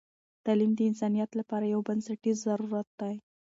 تعلیم د انسانیت لپاره یو بنسټیز ضرورت دی.